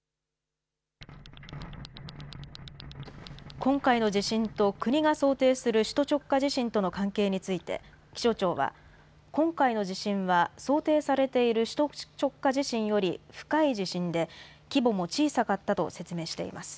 今回の地震と、国が想定する首都直下地震との関係について、気象庁は、今回の地震は想定されている首都直下地震より深い地震で、規模も小さかったと説明しています。